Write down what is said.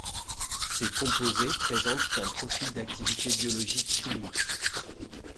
Ces composés présentent un profil d’activité biologique unique.